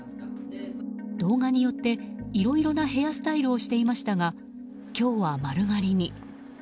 動画によって、いろいろなヘアスタイルをしていましたが今日は、丸刈りに。